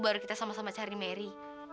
baru kita sama sama cari mary